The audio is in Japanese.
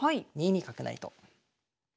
２二角成と。